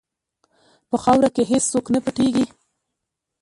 په خاوره کې هېڅ څوک نه پټیږي.